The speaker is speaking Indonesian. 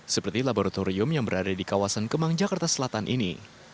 seperti laboratorium yang berada di kawasan kemang jakarta selatan ini